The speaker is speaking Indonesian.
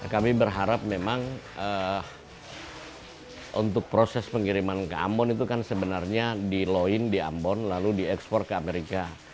kami berharap memang untuk proses pengiriman ke ambon itu kan sebenarnya di loin di ambon lalu di ekspor ke amerika